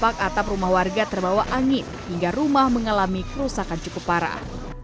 tampak atap rumah warga terbawa angin hingga rumah mengalami kerusakan cukup parah